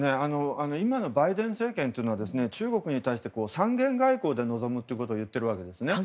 今のバイデン政権は中国に対して三元外交で臨むということを言ってるわけですね。